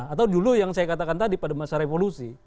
atau dulu yang saya katakan tadi pada masa revolusi